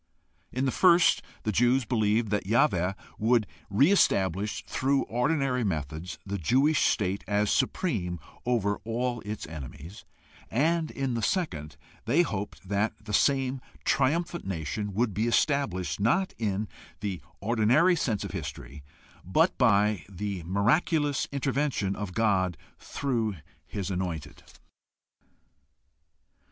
In the first the Jews believed that Yahweh would re establish through ordinary methods the Jewish state as supreme over all its enemies; and in the second they hoped that the same triumphant nation would be established, not in the ordinary course of history, but by the miraculous intervention of God through his Anointed.